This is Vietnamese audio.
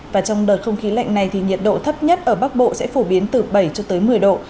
và trong đợt không khí lạnh này thì nhiệt độ thấp nhất ở bắc bộ sẽ phổ biến từ bảy cho tới một mươi độ